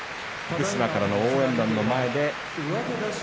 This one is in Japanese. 福島からの応援団の前で。